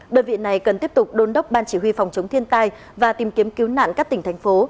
đơn vị này cần tiếp tục đôn đốc ban chỉ huy phòng chống thiên tai và tìm kiếm cứu nạn các tỉnh thành phố